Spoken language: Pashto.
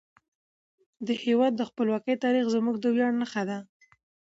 د هیواد د خپلواکۍ تاریخ زموږ د ویاړ نښه ده.